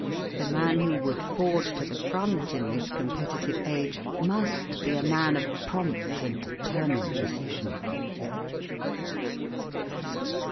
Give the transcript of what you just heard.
The man who would forge to the front in this competitive age must be a man of prompt and determined decision.